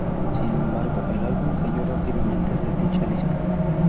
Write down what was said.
Sin embargo el álbum cayó rápidamente, de dicha lista.